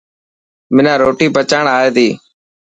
منا روٽي پچائڻ اي تي.